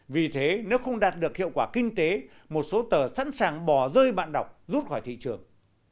vì thế nếu không đạt được hiệu quả kinh tế một số tờ sẵn sàng bỏ rơi bạn đọc rút khỏi thị trường